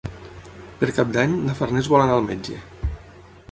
Per Cap d'Any na Farners vol anar al metge.